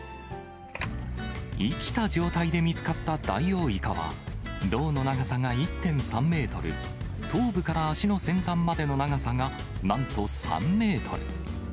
生きた状態で見つかったダイオウイカは、銅の長さが１．３メートル、頭部から足の先端までの長さが、なんと３メートル。